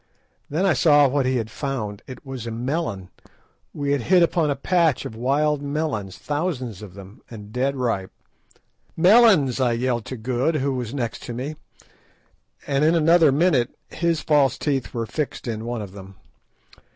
Then I saw what he had found. It was a melon. We had hit upon a patch of wild melons, thousands of them, and dead ripe. "Melons!" I yelled to Good, who was next me; and in another minute his false teeth were fixed in one of them.